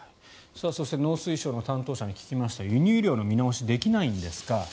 そして農水省の担当者に聞きました輸入量の見直しできないんですか？